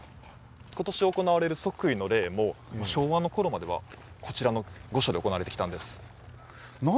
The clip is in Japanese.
今年行われる即位の礼も昭和の頃まではこちらの御所で行われてきたんです。